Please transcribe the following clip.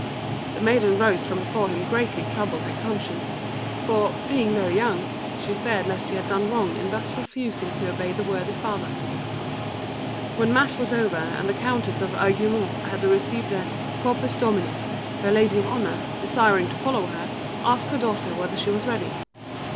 The maiden rose from before him greatly troubled in conscience, for, being very young, she feared lest she had done wrong in thus refusing to obey the worthy father. When mass was over and the Countess of Aiguemont had received the "Corpus Domini," her lady of honour, desiring to follow her, asked her daughter whether she was ready.